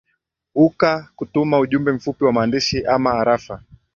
uka kutuma ujumbe mfupi wa maandishi ama arafa